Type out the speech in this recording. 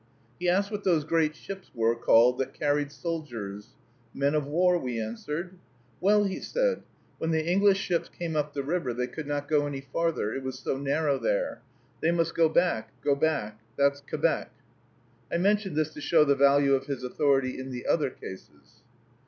He asked what those great ships were called that carried soldiers. "Men of war," we answered. "Well," he said, "when the English ships came up the river, they could not go any farther, it was so narrow there; they must go back, go back, that's Que bec." I mention this to show the value of his authority in the other cases.